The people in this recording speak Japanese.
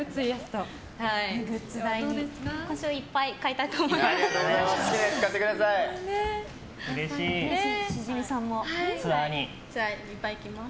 私もいっぱい買いたいと思います。